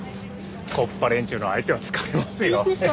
木っ端連中の相手は疲れますよ。